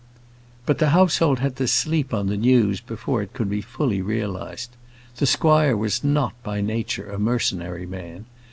But the household had to sleep on the news before it could be fully realised. The squire was not by nature a mercenary man.